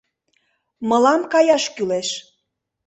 Мылам каяш кӱлеш.